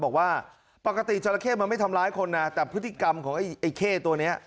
บอกว่าปกติจราเข้มันไม่ทำร้ายคนนะแต่พฤติกรรมของไอ้เข้ตัวนี้